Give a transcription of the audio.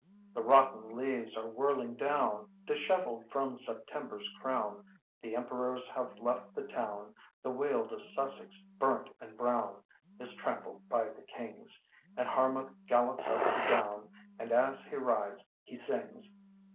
The rotten leaves are whirling down Dishevelled from September's crown; The Emperors have left the town; The Weald of Sussex, burnt and brown, Is trampled by the kings. And Harmuth gallops up the Down, And, as he rides, he sings.